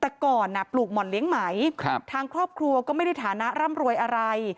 แต่ก่อนปลูกหม่อนเลี้ยงไหมทางครอบครัวก็ไม่ได้ฐานะร่ำรวยอะไร